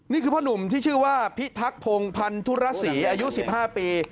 นี่คือพ่อหนุ่มที่ชื่อว่าพิทักพงศ์พันธุรศรีอายุ๑๕ปี